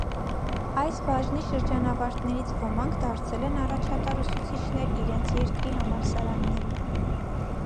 Այս բաժնի շրջանավարտներից ոմանք դարձել են առաջատար ուսուցիչներ իրենց երկրի համալսարաններում։